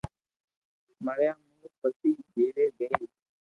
مريا مون پئسي جيوي گئي